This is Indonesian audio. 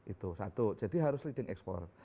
itu satu jadi harus leading ekspor